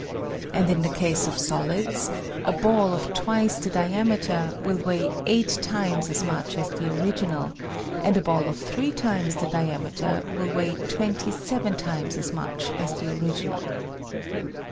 And in the case of solids : A ball of twice the diameter will weigh eight times as much as the original, and a ball of three times the diameter will weigh twenty seven times as much as the original.